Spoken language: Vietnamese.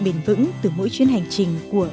bền vững từ mỗi chuyến hành trình của